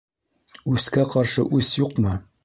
Үскә ҡаршы үс юҡмы?